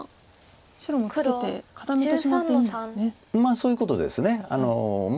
そういうことです。